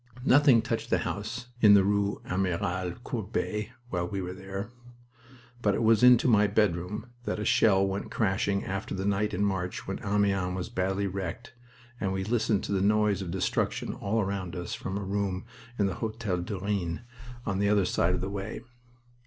Nothing touched the house in the rue Amiral Courbet while we were there. But it was into my bedroom that a shell went crashing after that night in March when Amiens was badly wrecked, and we listened to the noise of destruction all around us from a room in the Hotel du Rhin on the other side of the way.